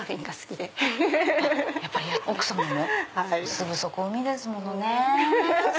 すぐそこ海ですものね。